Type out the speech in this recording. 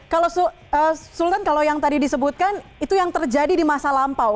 kalau sultan kalau yang tadi disebutkan itu yang terjadi di masa lampau